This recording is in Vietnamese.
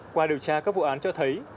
qua điều tra các vụ án cho thấy